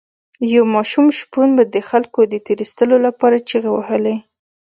یو ماشوم شپون به د خلکو د تیر ایستلو لپاره چیغې وهلې.